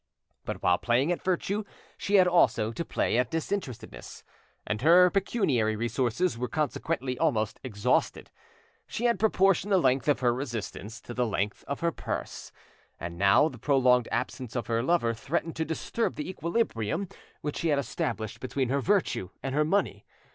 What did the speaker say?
But while playing at virtue she had also to play at disinterestedness, and her pecuniary resources were consequently almost exhausted. She had proportioned the length of her resistance to the length of her purse, and now the prolonged absence of her lover threatened to disturb the equilibrium which she had established between her virtue and her money.